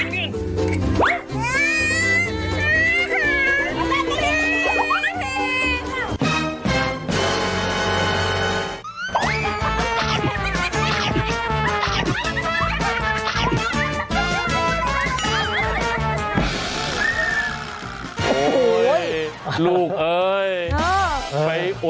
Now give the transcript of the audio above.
นี่นั่งไง